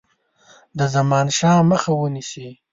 د زمانشاه مخه ونیسي.